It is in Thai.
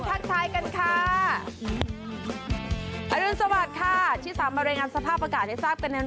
ทักทายกันค่ะอรุณสวัสดิ์ค่ะที่สามารถรายงานสภาพอากาศให้ทราบกันใน